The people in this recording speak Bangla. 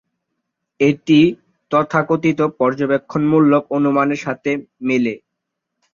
এটি তথাকথিত পর্যবেক্ষণমূলক অনুমানের সাথে মেলে।